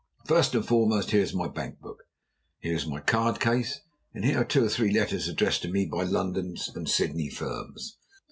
"First and foremost, here is my bank book. Here is my card case. And here are two or three letters addressed to me by London and Sydney firms.